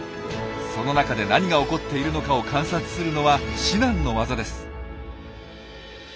その中で何が起こっているのかを観察するのは至難の業です。